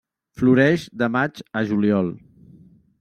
Floreix de maig a juliol.